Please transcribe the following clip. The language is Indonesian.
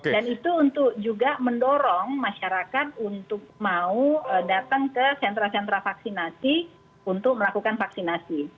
dan itu untuk juga mendorong masyarakat untuk mau datang ke sentra sentra vaksinasi untuk melakukan vaksinasi